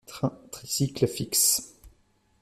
Train tricycle fixe.